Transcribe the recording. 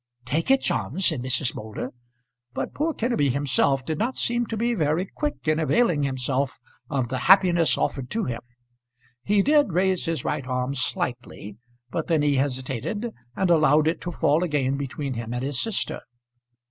"Take it, John!" said Mrs. Moulder. But poor Kenneby himself did not seem to be very quick in availing himself of the happiness offered to him. He did raise his right arm slightly; but then he hesitated, and allowed it to fall again between him and his sister.